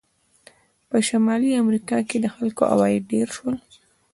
په شمالي امریکا کې د خلکو عواید ډېر شول.